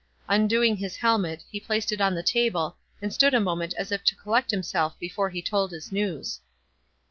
Undoing his helmet, he placed it on the table, and stood a moment as if to collect himself before he told his news.